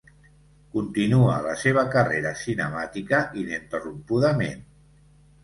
Continua la seva carrera cinemàtica ininterrompudament.